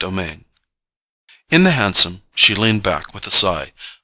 Chapter 2 In the hansom she leaned back with a sigh.